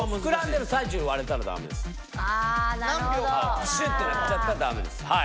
プシュッてなっちゃったらダメです。